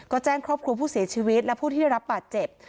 ก็แจ้งครอบครัวผู้เสียชีวิตและผู้ที่ได้รับบาดเจ็บ